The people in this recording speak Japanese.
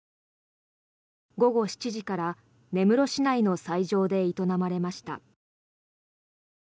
午後７時から根室市内の斎場で営まれました。